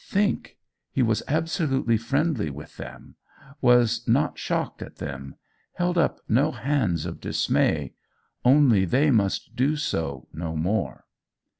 Think: he was absolutely friendly with them! was not shocked at them! held up no hands of dismay! Only they must do so no more.